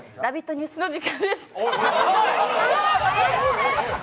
ニュースの時間です。